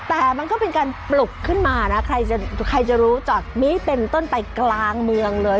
แต่มันก็เป็นการปลุกขึ้นมานะใครจะรู้จักนี้เป็นต้นไปกลางเมืองเลย